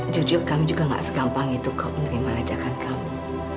jujur kami juga gak segampang itu kau menerima ajakan kamu